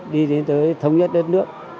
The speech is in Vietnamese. đi đến tới thống nhất đất nước